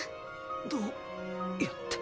どうやって。